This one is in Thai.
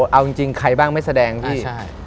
เอาจริงใครบ้างไม่แสดงพี่